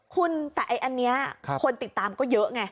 คุณแต่อันนี้คนติดตามก็เยอะไง